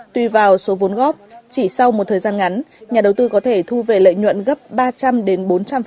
tùy vào số vốn góp chỉ sau một thời gian ngắn nhà đầu tư có thể thu về lợi nhuận gấp ba trăm linh đến bốn trăm linh